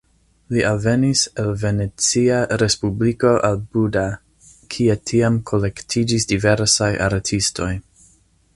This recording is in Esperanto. Li alvenis el Venecia respubliko al Buda, kie tiam kolektiĝis diversaj artistoj.